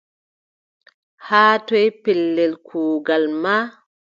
Haa toy pellel kuugal ma ?